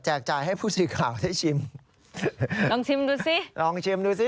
จ่ายให้ผู้สื่อข่าวได้ชิมลองชิมดูสิลองชิมดูสิ